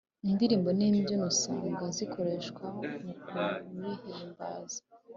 indirimbo n’imbyino usanga zikoreshwa mu kubihimbaza.